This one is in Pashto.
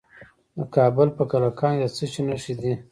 د کابل په کلکان کې د څه شي نښې دي؟